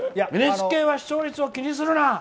ＮＨＫは視聴率を気にするな！